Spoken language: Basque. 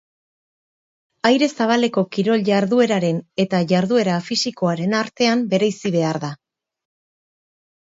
Aire zabaleko kirol-jardueraren eta jarduera fisikoaren artean bereizi behar da.